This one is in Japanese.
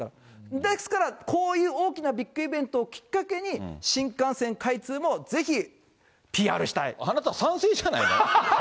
ですから、こういう大きなビッグイベントをきっかけに新幹線開通あなた、賛成じゃないの？